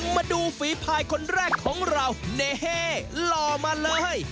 มาดูฝีภายคนแรกของเราเนเฮ่หล่อมาเลย